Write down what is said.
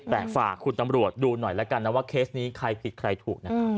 แต่ฝากคุณตำรวจดูหน่อยแล้วกันนะว่าเคสนี้ใครผิดใครถูกนะ